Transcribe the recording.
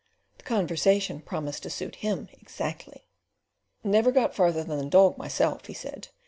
The conversation promised to suit him exactly. "Never got farther than the dog myself," he said.